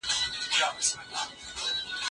موږ به سبا سهار په ګډه ورزش وکړو.